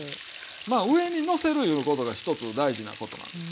まあ上にのせるいうことが一つ大事なことなんです。